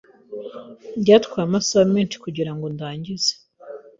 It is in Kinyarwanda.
Byantwaye amasaha menshi kugirango ndangize.